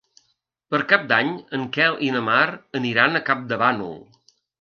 Per Cap d'Any en Quel i na Mar aniran a Campdevànol.